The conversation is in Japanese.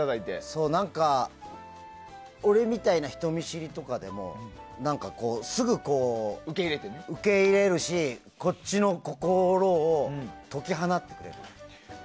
そう、何か俺みたいな人見知りとかでもすぐ受け入れるしこっちの心を解き放ってくれる。